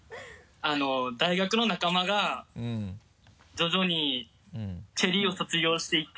大学の仲間が徐々にチェリーを卒業していって。